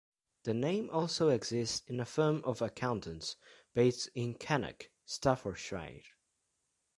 The name also exists in a firm of accountants based in Cannock, Staffordshire.